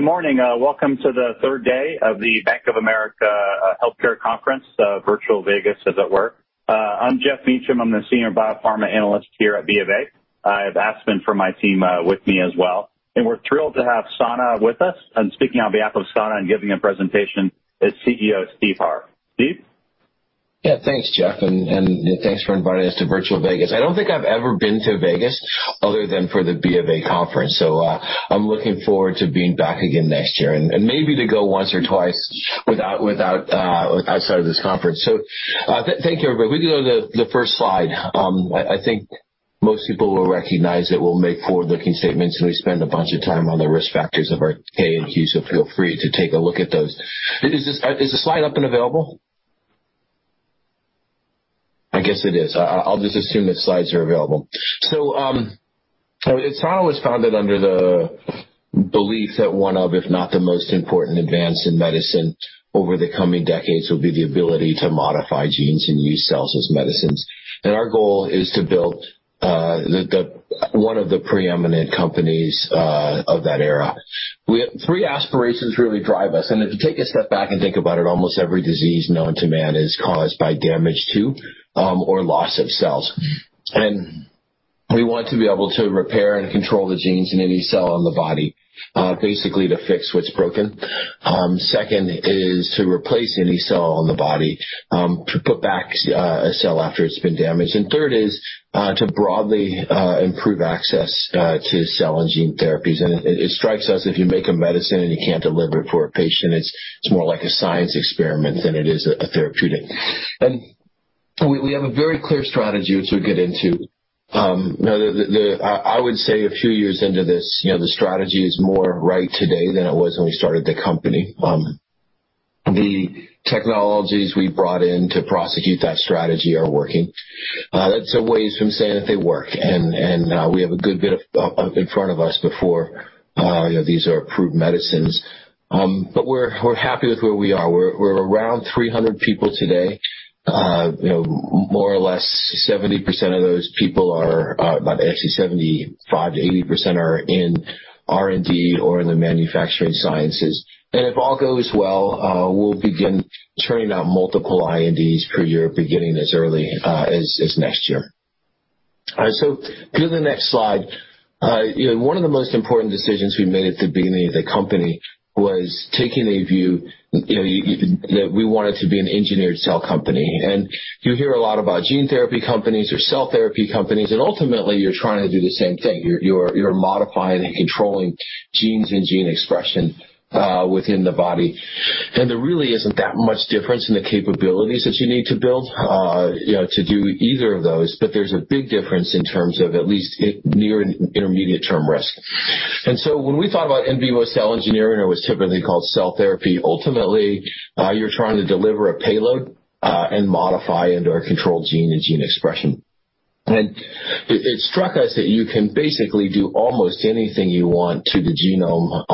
Good morning. Welcome to the third day of the Bank of America Healthcare Conference, Virtual Vegas as it were. I'm Geoff Meacham. I'm the Senior Biopharma Analyst here at BofA. I have Aspen from my team with me as well, and we're thrilled to have Sana with us. Speaking on behalf of Sana and giving a presentation is CEO Steve Harr. Steve? Thanks, Geoff Meacham, and thanks for inviting us to Virtual Vegas. I don't think I've ever been to Vegas other than for the BofA conference. I'm looking forward to being back again next year, and maybe to go once or twice outside of this conference. Thank you, everybody. We can go to the first slide. I think most people will recognize it. We'll make forward-looking statements. We spend a bunch of time on the risk factors of our K and Q. Feel free to take a look at those. Is the slide up and available? I guess it is. I'll just assume that slides are available. Sana Biotechnology was founded under the belief that one of, if not the most important advance in medicine over the coming decades will be the ability to modify genes and use cells as medicines. Our goal is to build one of the preeminent companies of that era. Three aspirations really drive us, and if you take a step back and think about it, almost every disease known to man is caused by damage to or loss of cells. We want to be able to repair and control the genes in any cell in the body, basically to fix what's broken. Second is to replace any cell in the body, to put back a cell after it's been damaged. Third is to broadly improve access to cell and gene therapies. It strikes us if you make a medicine and you can't deliver it for a patient, it's more like a science experiment than it is a therapeutic. We have a very clear strategy, which we'll get into. I would say a few years into this, the strategy is more right today than it was when we started the company. The technologies we brought in to prosecute that strategy are working. That's a ways from saying that they work, and we have a good bit in front of us before these are approved medicines. We're happy with where we are. We're around 300 people today. More or less 70% of those people are, actually 75%-80% are in R&D or in the manufacturing sciences. If all goes well, we'll begin churning out multiple INDs per year, beginning as early as next year. All right. Go to the next slide. One of the most important decisions we made at the beginning of the company was taking a view that we wanted to be an engineered cell company. You hear a lot about gene therapy companies or cell therapy companies, ultimately, you're trying to do the same thing. You're modifying and controlling genes and gene expression within the body. There really isn't that much difference in the capabilities that you need to build to do either of those, but there's a big difference in terms of at least near and intermediate-term risk. When we thought about in vivo cell engineering, it was typically called cell therapy. Ultimately, you're trying to deliver a payload and modify and/or control gene and gene expression. It struck us that you can basically do almost anything you want to the genome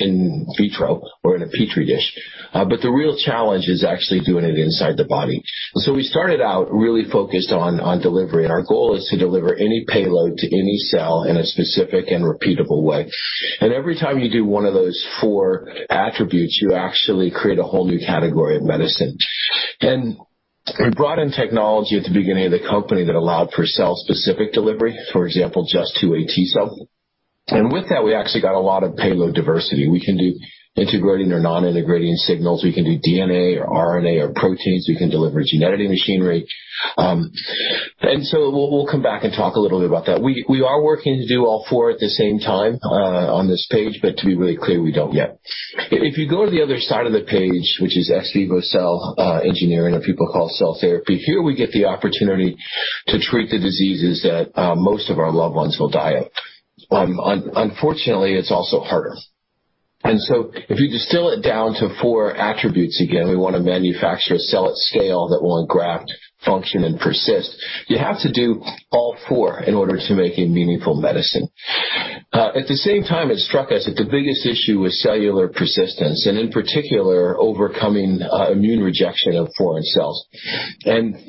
in vitro or in a Petri dish, but the real challenge is actually doing it inside the body. We started out really focused on delivery, and our goal is to deliver any payload to any cell in a specific and repeatable way. Every time you do one of those four attributes, you actually create a whole new category of medicine. We brought in technology at the beginning of the company that allowed for cell-specific delivery, for example, just to a T cell. With that, we actually got a lot of payload diversity. We can do integrating or non-integrating signals. We can do DNA or RNA or proteins. We can deliver genetic machinery. We'll come back and talk a little bit about that. We are working to do all four at the same time on this page, but to be really clear, we don't yet. If you go to the other side of the page, which is ex vivo cell engineering, or people call cell therapy, here we get the opportunity to treat the diseases that most of our loved ones will die of. Unfortunately, it's also harder. If you distill it down to four attributes again, we want to manufacture a cell at scale that will engraft, function, and persist. You have to do all four in order to make a meaningful medicine. At the same time, it struck us that the biggest issue was cellular persistence and in particular, overcoming immune rejection of foreign cells.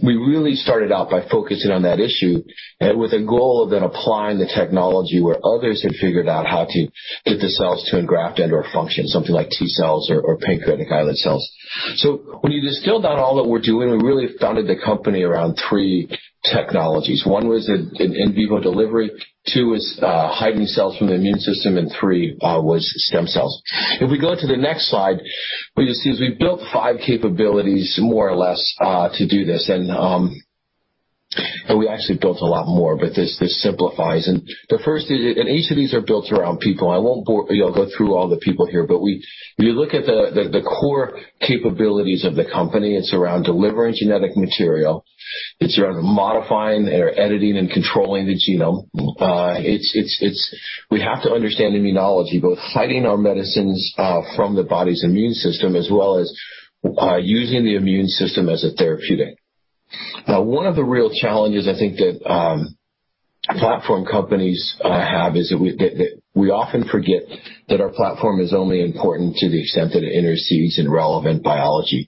We really started out by focusing on that issue and with a goal of then applying the technology where others had figured out how to get the cells to engraft and/or function, something like T cells or pancreatic islet cells. When you distill down all that we're doing, we really founded the company around three technologies. One was an in vivo delivery, two is hiding cells from the immune system, and three was stem cells. If we go to the next slide, what you'll see is we've built five capabilities, more or less, to do this. We actually built a lot more, but this simplifies. Each of these are built around people. I won't go through all the people here, but if you look at the core capabilities of the company, it's around delivering genetic material. It's around modifying or editing and controlling the genome. We have to understand immunology, both hiding our medicines from the body's immune system as well as using the immune system as a therapeutic. One of the real challenges I think that platform companies have is that we often forget that our platform is only important to the extent that it intercedes in relevant biology.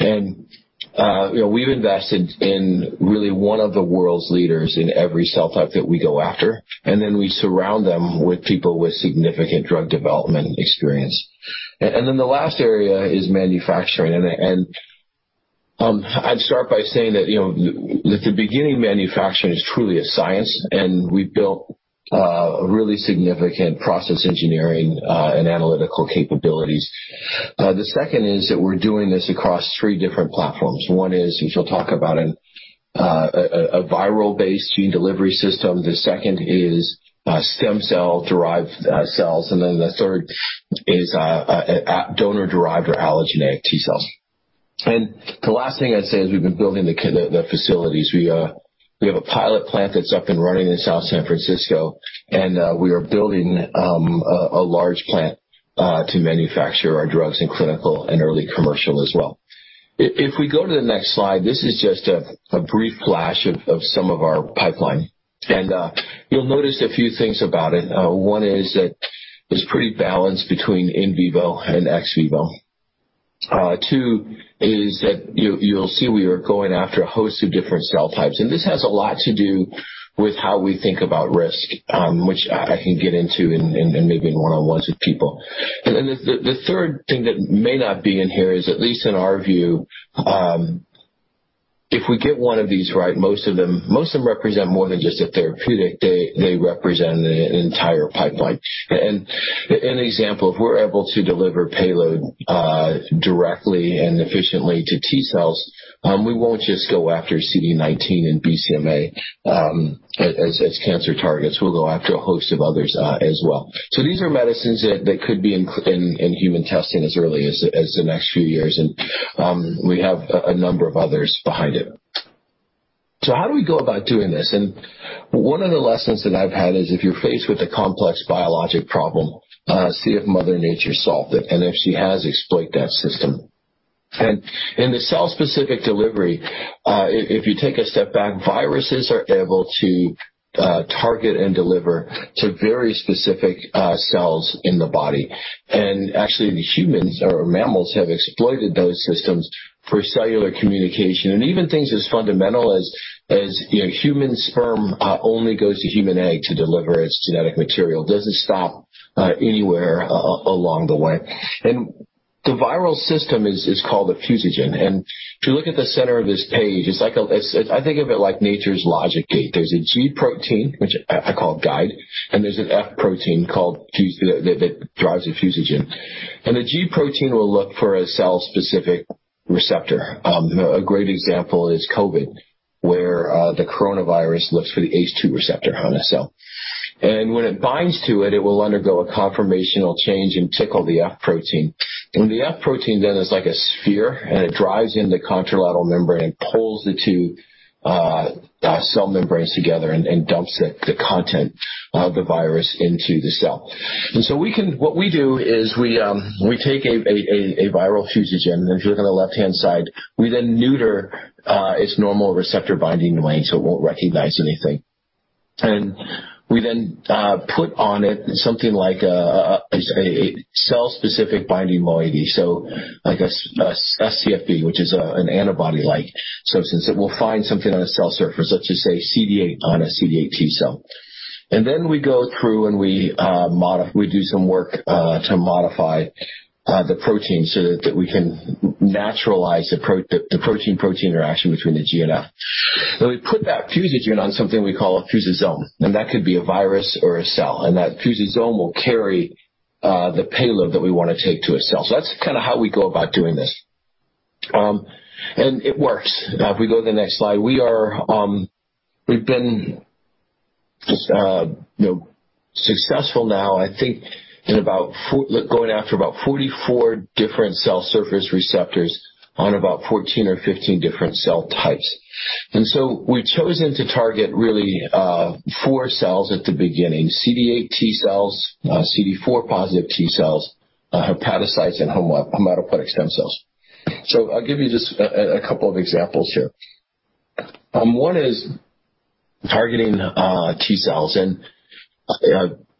We've invested in really one of the world's leaders in every cell type that we go after, and then we surround them with people with significant drug development experience. The last area is manufacturing. I'd start by saying that at the beginning, manufacturing is truly a science, and we've built really significant process engineering and analytical capabilities. The second is that we're doing this across three different platforms. One is, which we'll talk about, a viral-based gene delivery system. The second is stem cell-derived cells, and then the third is donor-derived or allogeneic T-cells. The last thing I'd say is we've been building the facilities. We have a pilot plant that's up and running in South San Francisco, and we are building a large plant to manufacture our drugs in clinical and early commercial as well. If we go to the next slide, this is just a brief flash of some of our pipeline. You'll notice a few things about it. One is that it's pretty balanced between in vivo and ex vivo. Two is that you'll see we are going after a host of different cell types, and this has a lot to do with how we think about risk, which I can get into in maybe in one-on-ones with people. The third thing that may not be in here is, at least in our view, if we get one of these right, most of them represent more than just a therapeutic, they represent an entire pipeline. An example, if we're able to deliver payload directly and efficiently to T cells, we won't just go after CD19 and BCMA as cancer targets. We'll go after a host of others as well. These are medicines that could be in human testing as early as the next few years, and we have a number of others behind it. How do we go about doing this? One of the lessons that I've had is if you're faced with a complex biologic problem, see if Mother Nature solved it, and if she has, exploit that system. In the cell-specific delivery, if you take a step back, viruses are able to target and deliver to very specific cells in the body. Actually, humans or mammals have exploited those systems for cellular communication and even things as fundamental as human sperm only goes to human egg to deliver its genetic material. Doesn't stop anywhere along the way. The viral system is called a fusogen, and if you look at the center of this page, I think of it like nature's logic gate. There's a G protein, which I call guide, and there's an F protein that drives the fusogen. The G protein will look for a cell-specific receptor. A great example is COVID, where the coronavirus looks for the ACE2 receptor on a cell. When it binds to it will undergo a conformational change and tickle the F protein. The F protein then is like a sphere, and it drives in the contralateral membrane and pulls the two cell membranes together and dumps the content of the virus into the cell. What we do is we take a viral fusogen, and if you look on the left-hand side, we then neuter its normal receptor binding domain, so it won't recognize anything. We then put on it something like a cell-specific binding moiety, so like a scFv, which is an antibody-like substance, that will find something on a cell surface, let's just say CD8 on a CD8 T cell. Then we go through and we do some work to modify the protein so that we can naturalize the protein-protein interaction between the G and F. We put that fusogen on something we call a fusosome, and that could be a virus or a cell, and that fusosome will carry the payload that we want to take to a cell. That's how we go about doing this. It works. If we go to the next slide. We've been successful now, I think, in going after about 44 different cell surface receptors on about 14 or 15 different cell types. We've chosen to target really four cells at the beginning, CD8 T-cells, CD4 positive T-cells, hepatocytes, and hematopoietic stem cells. I'll give you just a couple of examples here. One is targeting T cells, and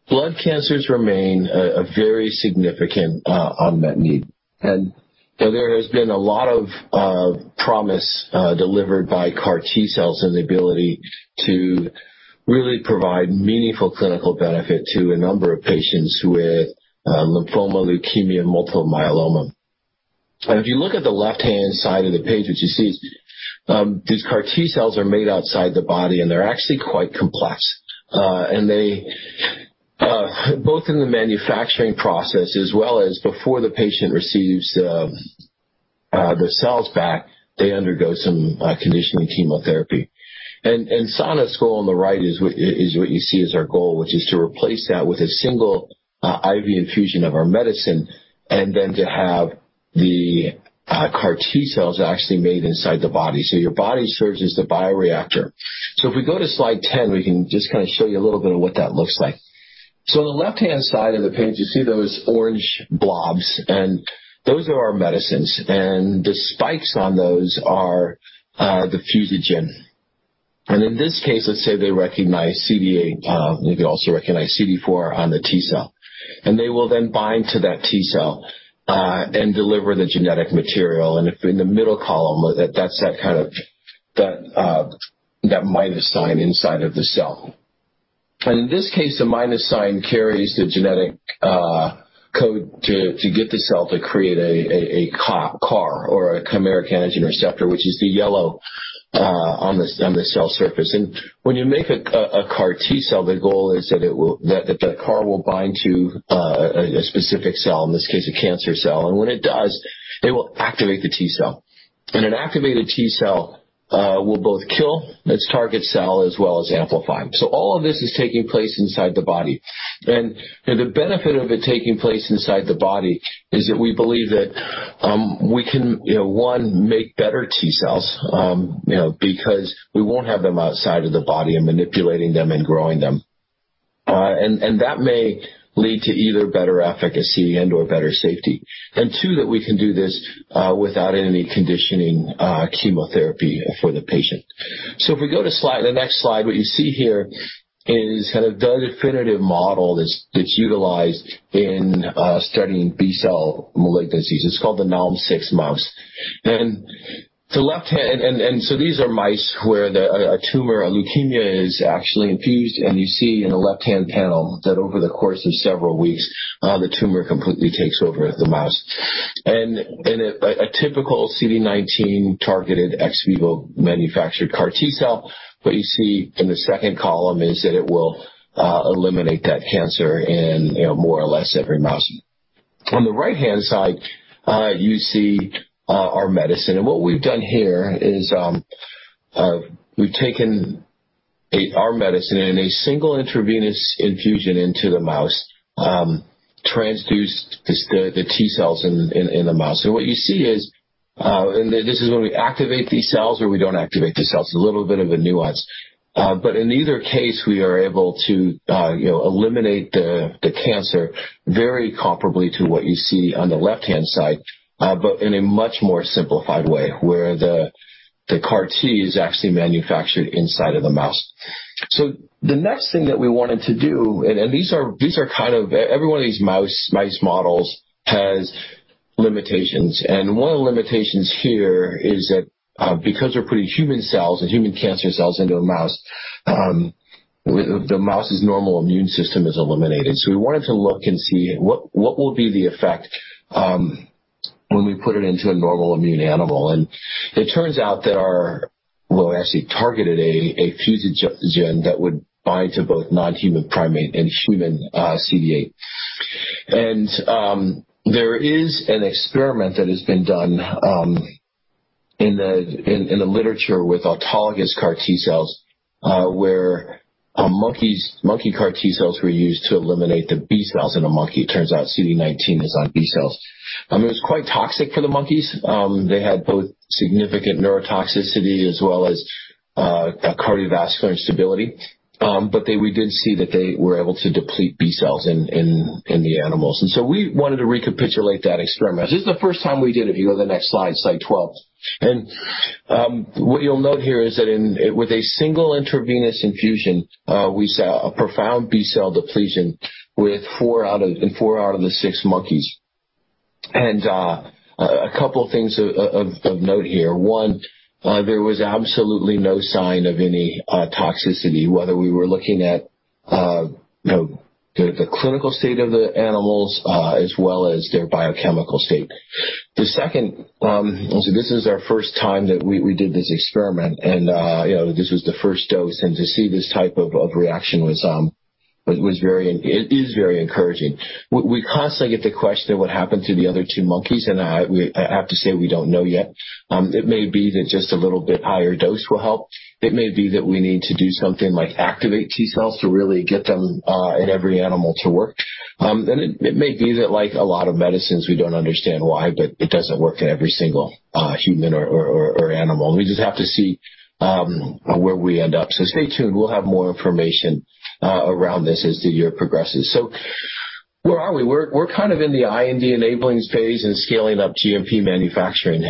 blood cancers remain a very significant unmet need. There has been a lot of promise delivered by CAR T-cells and the ability to really provide meaningful clinical benefit to a number of patients with lymphoma, leukemia, multiple myeloma. If you look at the left-hand side of the page, what you see is these CAR T-cells are made outside the body, and they're actually quite complex. They, both in the manufacturing process as well as before the patient receives the cells back, they undergo some conditioning chemotherapy. Sana's goal on the right is what you see is our goal, which is to replace that with a single IV infusion of our medicine, and then to have the CAR T-cells actually made inside the body. Your body serves as the bioreactor. If we go to slide 10, we can just show you a little bit of what that looks like. On the left-hand side of the page, you see those orange blobs, and those are our medicines. The spikes on those are the fusogen. In this case, let's say they recognize CD8, maybe also recognize CD4 on the T cell, and they will then bind to that T cell, and deliver the genetic material. If in the middle column, that's that minus sign inside of the cell. In this case, the minus sign carries the genetic code to get the cell to create a CAR, or a chimeric antigen receptor, which is the yellow on the cell surface. When you make a CAR T-cell, the goal is that the CAR will bind to a specific cell, in this case, a cancer cell. When it does, it will activate the T cell. An activated T cell will both kill its target cell as well as amplify. All of this is taking place inside the body. The benefit of it taking place inside the body is that we believe that we can, one, make better T cells, because we won't have them outside of the body and manipulating them and growing them. That may lead to either better efficacy and/or better safety. Two, that we can do this without any conditioning chemotherapy for the patient. If we go to the next slide, what you see here is the definitive model that's utilized in studying B-cell malignancies. It's called the Nalm-6 mouse. These are mice where a tumor, a leukemia is actually infused, and you see in the left-hand panel that over the course of several weeks, the tumor completely takes over the mouse. A typical CD19 targeted ex vivo manufactured CAR T cell, what you see in the second column is that it will eliminate that cancer in more or less every mouse. On the right-hand side, you see our medicine. What we've done here is we've taken our medicine in a single intravenous infusion into the mouse, transduced the T cells in the mouse. What you see is, and this is when we activate these cells or we don't activate these cells, a little bit of a nuance. In either case, we are able to eliminate the cancer very comparably to what you see on the left-hand side, but in a much more simplified way, where the CAR T is actually manufactured inside of the mouse. The next thing that we wanted to do, and every one of these mouse models has limitations. One of the limitations here is that because we're putting human cells and human cancer cells into a mouse, the mouse's normal immune system is eliminated. We wanted to look and see what will be the effect when we put it into a normal immune animal. It turns out that our Well, we actually targeted a fusogen that would bind to both non-human primate and human CD8. There is an experiment that has been done in the literature with autologous CAR T-cells, where monkey CAR T-cells were used to eliminate the B-cells in a monkey. It turns out CD19 is on B-cells. It was quite toxic for the monkeys. They had both significant neurotoxicity as well as cardiovascular instability. We did see that they were able to deplete B-cells in the animals. We wanted to recapitulate that experiment. You go to the next slide 12. What you'll note here is that with a single intravenous infusion, we saw a profound B-cell depletion in four out of the six monkeys. A couple things of note here. One, there was absolutely no sign of any toxicity, whether we were looking at the clinical state of the animals, as well as their biochemical state. The second, this is our first time that we did this experiment, this was the first dose, to see this type of reaction is very encouraging. We constantly get the question, what happened to the other two monkeys? I have to say, we don't know yet. It may be that just a little bit higher dose will help. It may be that we need to do something like activate T cells to really get them in every animal to work. It may be that like a lot of medicines, we don't understand why, but it doesn't work in every single human or animal. We just have to see where we end up. Stay tuned. We'll have more information around this as the year progresses. Where are we? We're in the IND-enabling phase and scaling up GMP manufacturing.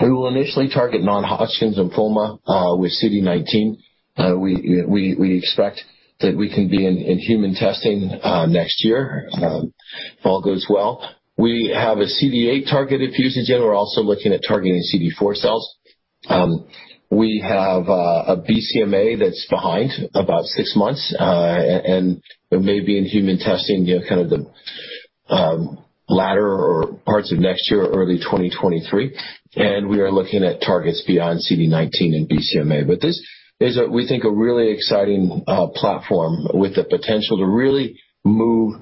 We will initially target non-Hodgkin's lymphoma with CD19. We expect that we can be in human testing next year if all goes well. We have a CD8-targeted fusogen. We're also looking at targeting CD4 cells. We have a BCMA that's behind about six months, and may be in human testing, kind of the latter parts of next year or early 2023. We are looking at targets beyond CD19 and BCMA. This is we think a really exciting platform with the potential to really move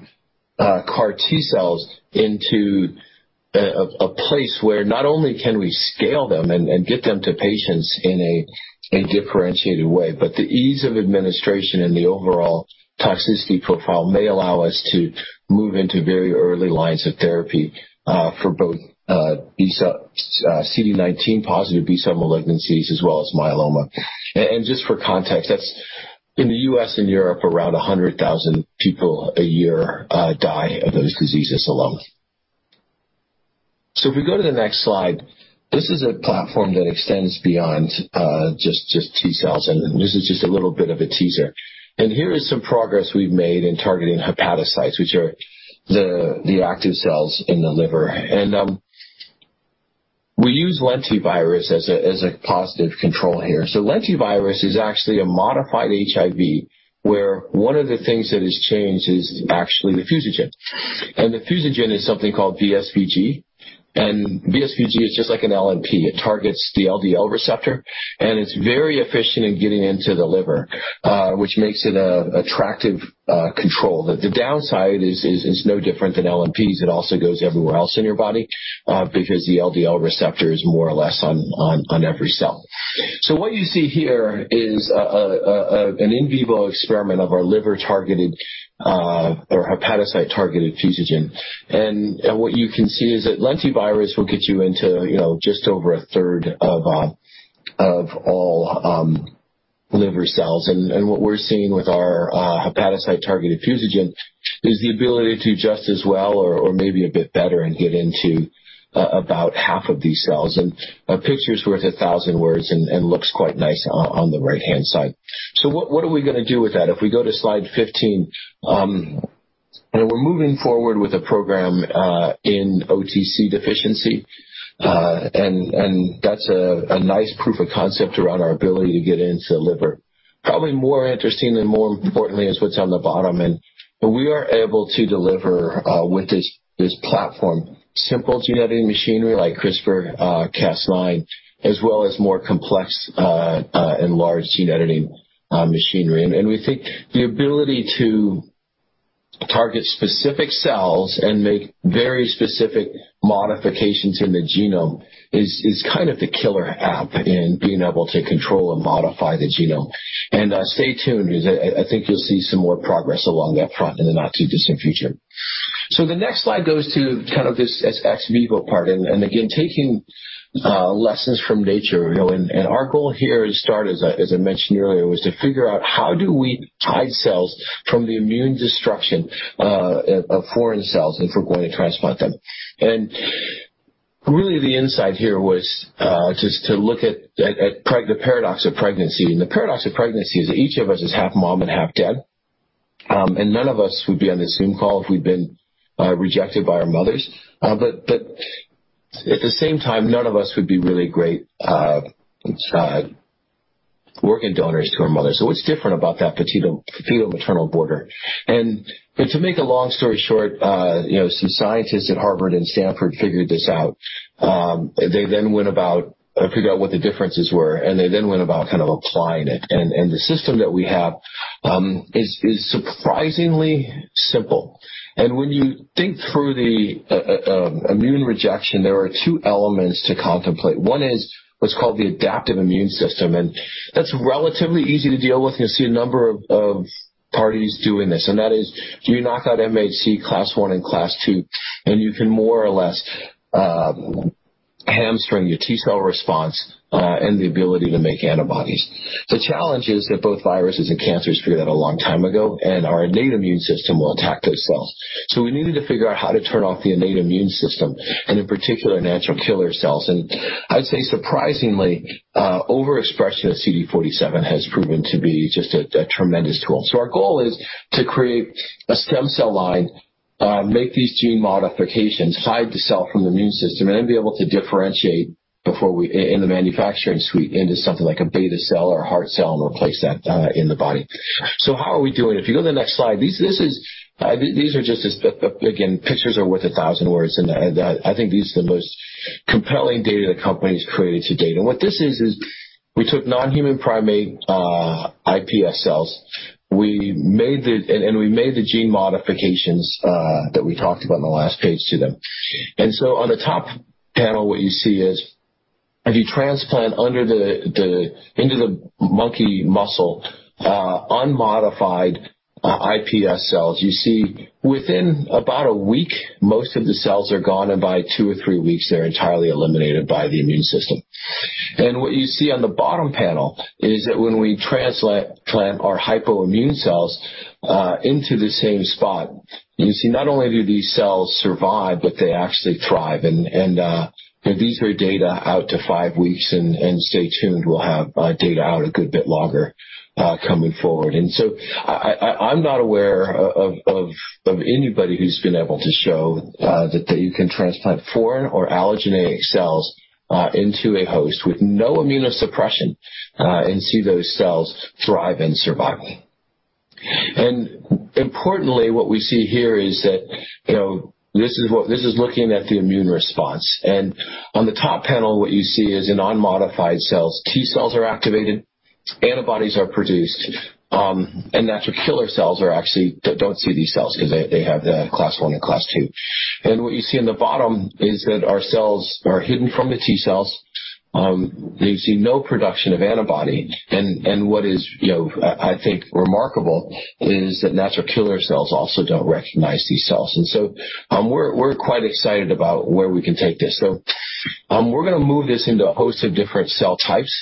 CAR T-cells into a place where not only can we scale them and get them to patients in a differentiated way, but the ease of administration and the overall toxicity profile may allow us to move into very early lines of therapy for both CD19 positive B-cell malignancies as well as myeloma. Just for context, that's in the U.S. and Europe, around 100,000 people a year die of those diseases alone. If we go to the next slide, this is a platform that extends beyond just T cells, and this is just a little bit of a teaser. Here is some progress we've made in targeting hepatocytes, which are the active cells in the liver. We use lentivirus as a positive control here. Lentivirus is actually a modified HIV, where one of the things that has changed is actually the fusogen. The fusogen is something called VSV-G, and VSV-G is just like an LNP. It targets the LDL receptor, and it's very efficient in getting into the liver, which makes it an attractive control. The downside is it's no different than LNPs. It also goes everywhere else in your body, because the LDL receptor is more or less on every cell. What you see here is an in vivo experiment of our liver-targeted or hepatocyte-targeted fusogen. What you can see is that lentivirus will get you into just over 1/3 of all liver cells. What we're seeing with our hepatocyte-targeted fusogen is the ability to do just as well or maybe a bit better and get into about half of these cells. A picture's worth a thousand words, and it looks quite nice on the right-hand side. What are we going to do with that? If we go to slide 15, and we're moving forward with a program in OTC deficiency, and that's a nice proof of concept around our ability to get into the liver. Probably more interesting and more importantly is what's on the bottom, and we are able to deliver with this platform, simple gene editing machinery like CRISPR-Cas9, as well as more complex and large gene editing machinery. We think the ability to target specific cells and make very specific modifications in the genome is kind of the killer app in being able to control and modify the genome. Stay tuned because I think you'll see some more progress along that front in the not-too-distant future. The next slide goes to this ex vivo part, and again, taking lessons from nature. Our goal here at Sana, as I mentioned earlier, was to figure out how do we hide cells from the immune destruction of foreign cells if we're going to transplant them. Really the insight here was just to look at the paradox of pregnancy. The paradox of pregnancy is each of us is half mom and half dad, and none of us would be on this Zoom call if we'd been rejected by our mothers. At the same time, none of us would be really great working donors to our mothers. What's different about that fetal-maternal border? To make a long story short, some scientists at Harvard University and Stanford University figured this out. They then went about figuring out what the differences were, and they then went about applying it, and the system that we have is surprisingly simple. When you think through the immune rejection, there are two elements to contemplate. One is what's called the adaptive immune system, and that's relatively easy to deal with, and you'll see a number of parties doing this, and that is you knock out MHC class I and class II, and you can more or less hamstring your T cell response and the ability to make antibodies. The challenge is that both viruses and cancers figured that a long time ago, and our innate immune system will attack those cells. We needed to figure out how to turn off the innate immune system, and in particular, natural killer cells. I'd say surprisingly, overexpression of CD47 has proven to be just a tremendous tool. Our goal is to create a stem cell line, make these gene modifications, hide the cell from the immune system, and then be able to differentiate in the manufacturing suite into something like a beta cell or a heart cell and replace that in the body. How are we doing? If you go to the next slide, these are just, again, pictures are worth a thousand words, and I think these are the most compelling data the company's created to-date. What this is we took non-human primate iPS cells, and we made the gene modifications that we talked about on the last page to them. On the top panel, what you see is if you transplant into the monkey muscle unmodified iPS cells, you see within about a week, most of the cells are gone, and by two or three weeks, they're entirely eliminated by the immune system. What you see on the bottom panel is that when we transplant our hypoimmune cells into the same spot, you see not only do these cells survive, but they actually thrive. These are data out to five weeks, and stay tuned. We'll have data out a good bit longer coming forward. I'm not aware of anybody who's been able to show that you can transplant foreign or allogeneic cells into a host with no immunosuppression and see those cells thrive and survive. Importantly, what we see here is that this is looking at the immune response. On the top panel, what you see is in unmodified cells, T cells are activated, antibodies are produced, and natural killer cells actually don't see these cells because they have the Class I and Class II. What you see in the bottom is that our cells are hidden from the T cells. You see no production of antibody, and what is I think remarkable is that natural killer cells also don't recognize these cells. We're quite excited about where we can take this. We're going to move this into a host of different cell types,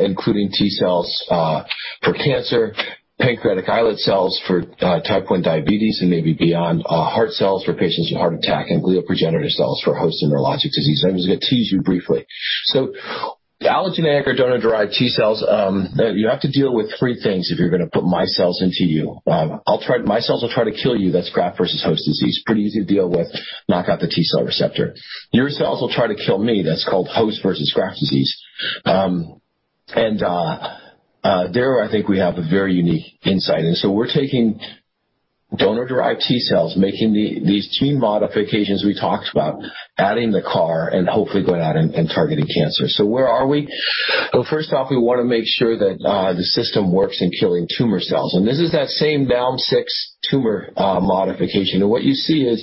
including T cells for cancer, pancreatic islet cells for type 1 diabetes and maybe beyond, heart cells for patients with heart attack, and glial progenitor cells for host neurologic disease. I'm just going to tease you briefly. Allogeneic or donor-derived T cells, you have to deal with three things if you're going to put my cells into you. My cells will try to kill you. That's graft-versus-host disease. Pretty easy to deal with. Knock out the T cell receptor. Your cells will try to kill me. That's called host-versus-graft disease. There, I think we have a very unique insight. We're taking donor-derived T cells, making these gene modifications we talked about, adding the CAR, and hopefully going out and targeting cancer. Where are we? First off, we want to make sure that the system works in killing tumor cells. This is that same Nalm-6 tumor modification. What you see is,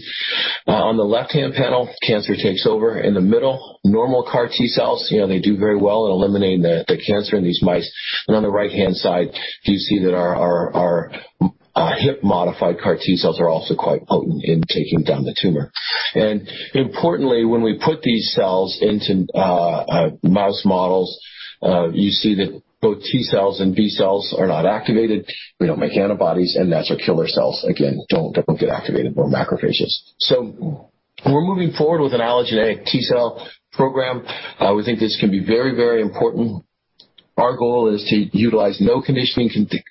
on the left-hand panel, cancer takes over. In the middle, normal CAR T cells, they do very well in eliminating the cancer in these mice. On the right-hand side, you see that our HIP-modified CAR T cells are also quite potent in taking down the tumor. Importantly, when we put these cells into mouse models, you see that both T cells and B cells are not activated. We don't make antibodies, and natural killer cells, again, don't get activated or macrophages. We're moving forward with an allogeneic T cell program. We think this can be very, very important. Our goal is to utilize no conditioning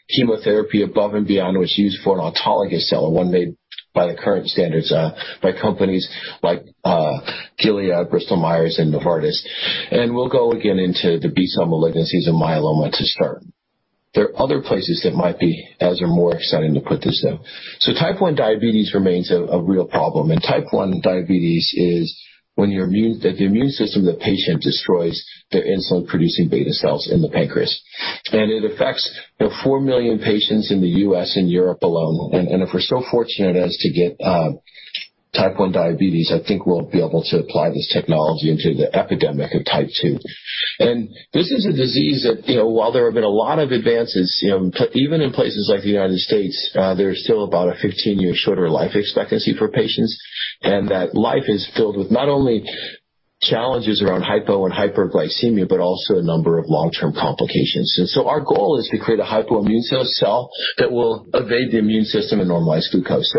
chemotherapy above and beyond what's used for an autologous cell, or one made by the current standards by companies like Gilead, Bristol Myers, and Novartis. We'll go again into the B cell malignancies and myeloma to start. There are other places that might be as or more exciting to put this, though. Type 1 diabetes remains a real problem, and type 1 diabetes is when the immune system of the patient destroys their insulin-producing beta cells in the pancreas. It affects the 4 million patients in the U.S. and Europe alone. If we're so fortunate as to get type 1 diabetes, I think we'll be able to apply this technology into the epidemic of type 2. This is a disease that, while there have been a lot of advances, even in places like the United States, there is still about a 15-year shorter life expectancy for patients, and that life is filled with not only challenges around hypo and hyperglycemia but also a number of long-term complications. Our goal is to create a hypoimmune cell that will evade the immune system and normalize glucose.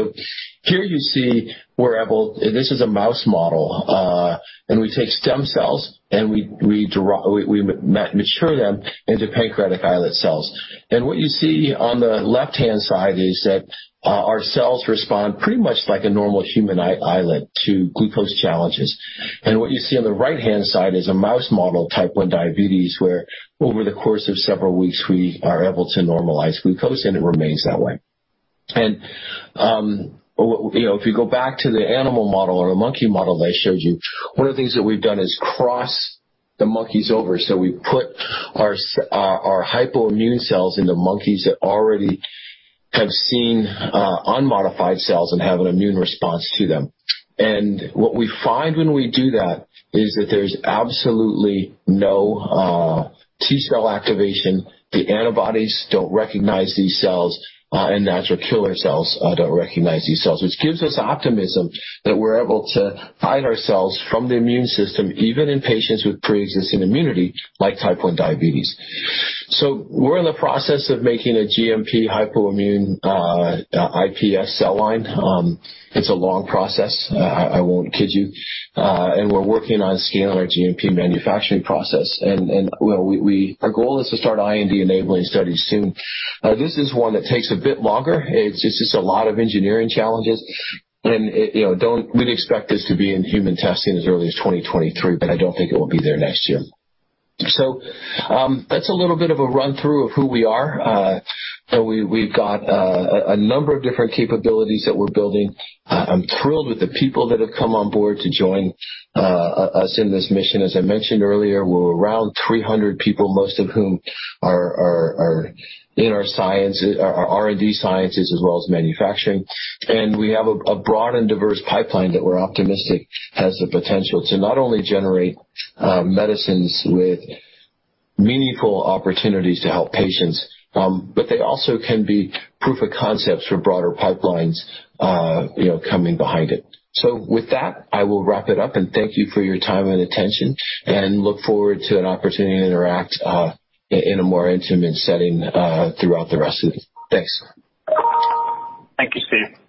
Here you see this is a mouse model, and we take stem cells, and we mature them into pancreatic islet cells. What you see on the left-hand side is that our cells respond pretty much like a normal human islet to glucose challenges. What you see on the right-hand side is a mouse model type 1 diabetes, where over the course of several weeks, we are able to normalize glucose, and it remains that way. If you go back to the animal model or the monkey model that I showed you, one of the things that we've done is cross the monkeys over. We put our hypoimmune cells into monkeys that already have seen unmodified cells and have an immune response to them. What we find when we do that is that there's absolutely no T cell activation. The antibodies don't recognize these cells, and natural killer cells don't recognize these cells, which gives us optimism that we're able to hide our cells from the immune system, even in patients with pre-existing immunity, like type 1 diabetes. We're in the process of making a GMP hypoimmune iPS cell line. It's a long process, I won't kid you. We're working on scaling our GMP manufacturing process. Our goal is to start IND-enabling studies soon. This is one that takes a bit longer. It's just a lot of engineering challenges, and we'd expect this to be in human testing as early as 2023, but I don't think it will be there next year. That's a little bit of a run-through of who we are. We've got a number of different capabilities that we're building. I'm thrilled with the people that have come on board to join us in this mission. As I mentioned earlier, we're around 300 people, most of whom are in our R&D sciences as well as manufacturing. We have a broad and diverse pipeline that we're optimistic has the potential to not only generate medicines with meaningful opportunities to help patients, but they also can be proof of concepts for broader pipelines coming behind it. With that, I will wrap it up and thank you for your time and attention and look forward to an opportunity to interact in a more intimate setting throughout the rest of it. Thanks. Thank you, Steve.